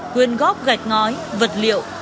quyên góp gạch ngói vật liệu